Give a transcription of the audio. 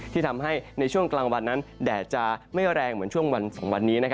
ที่ทำให้ในช่วงกลางวันนั้นแดดจะไม่แรงเหมือนช่วงวัน๒วันนี้